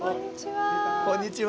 こんにちは。